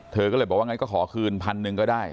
เพลงเลยบอกว่าก็ขอคืนพันธุ์หนึ่งก็ได้